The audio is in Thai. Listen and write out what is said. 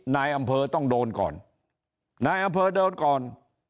นายอำเภอต้องโดนก่อนนายอำเภอเดินก่อน